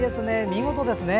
見事ですね。